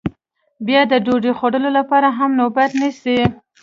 بیا د ډوډۍ خوړلو لپاره هم نوبت نیسي